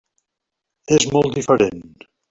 És molt diferent.